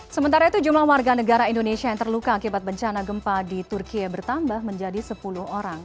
sementara itu jumlah warga negara indonesia yang terluka akibat bencana gempa di turkiye bertambah menjadi sepuluh orang